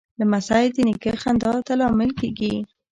لمسی د نیکه خندا ته لامل کېږي.